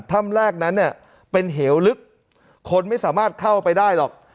ถ้ำแรกนั้นเนี่ยเป็นเหวลึกคนไม่สามารถเข้าไปได้หรอก